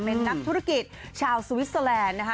เป็นนักธุรกิจชาวสวิสเตอร์แลนด์นะคะ